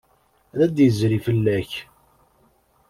Ad d-yezri fell-ak.